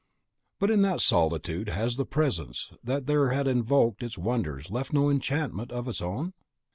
But in that solitude has the Presence that there had invoked its wonders left no enchantment of its own?